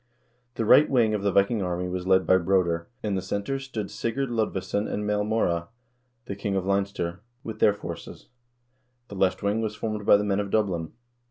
The right wing of the Viking army was led by Broder ; in the center stood Sigurd Lodvesson and Maelmorda, the king of Leinster, with their forces ; the left wing was formed by the men of Dublin.